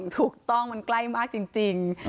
ถูกต้องมันใกล้มากจริง